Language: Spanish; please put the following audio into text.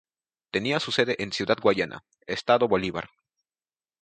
Tenía su sede en Ciudad Guayana, Estado Bolívar.